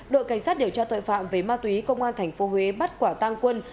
đội cảnh sát điều tra tội phạm về ma túy công an tp huế bắt quả tăng quân